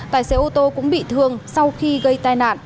tài xế ô tô cũng bị thương sau khi gây tai nạn